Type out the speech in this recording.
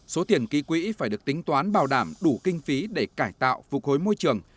số tiền ký quỹ phải được tính toán bảo đảm đủ kinh phí để cải tạo phục hối môi trường